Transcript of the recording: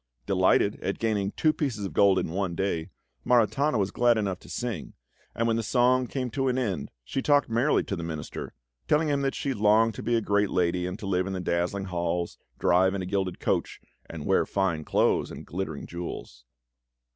Delighted at gaining two pieces of gold in one day, Maritana was glad enough to sing, and when the song came to an end she talked merrily to the Minister, telling him that she longed to be a great lady and to live in dazzling halls, drive in a gilded coach, and wear fine clothes and glittering jewels.